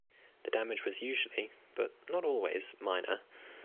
The damage was usually, but not always, minor.